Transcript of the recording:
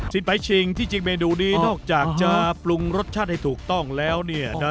ไปชิงที่จริงเมนูนี้นอกจากจะปรุงรสชาติให้ถูกต้องแล้วเนี่ยนะ